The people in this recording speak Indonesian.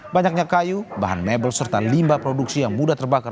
banyaknya kayu bahan mebel serta limba produksi yang mudah terbakar